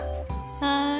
はい。